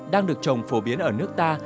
đang được trồng phổ biến ở nước ta